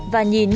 và nhìn nhìn